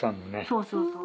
そうそうそう。